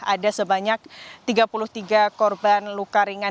ada sebanyak tiga puluh tiga korban luka ringan